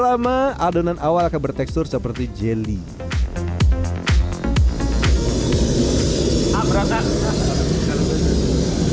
lama adonan awal akan bertekstur seperti ini dan kemudian diadakan tepung sagu yang terlihat lebih